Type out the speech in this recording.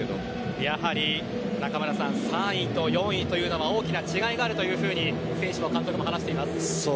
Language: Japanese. やはり中村さん３位と４位というのは大きな違いがあるというふうに選手も監督も話しています。